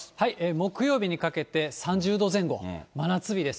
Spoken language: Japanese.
木曜日にかけて、３０度前後、真夏日です。